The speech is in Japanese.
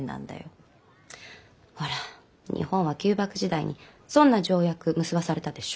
ほら日本は旧幕時代に損な条約結ばされたでしょ？